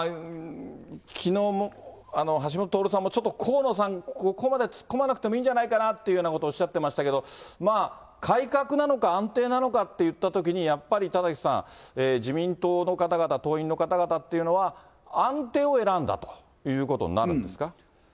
きのう、橋下徹さんも、河野さん、ここまで突っ込まなくてもいいんじゃないかなということをおっしゃってましたけど、まあ、改革なのか安定なのかといったときに、やっぱり、田崎さん、自民党の方々、党員の方々っていうのは、安定を選んだということになるんですか。